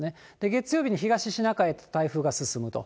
月曜日に東シナ海に台風が進むと。